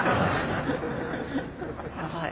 やばい。